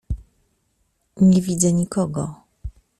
Nie widzę nikogo.